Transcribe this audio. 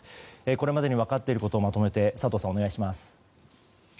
これまでに分かっていることをまとめて佐藤さん、お願いします。